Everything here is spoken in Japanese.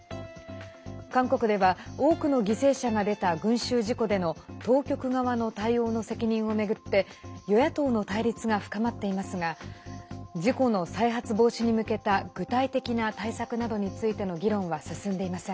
韓国では、多くの犠牲者が出た群衆事故での当局側の対応の責任を巡って与野党の対立が深まっていますが事故の再発防止に向けた具体的な対策などについての議論は進んでいません。